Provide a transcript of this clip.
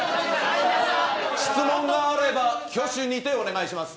質問があれば挙手にてお願いします。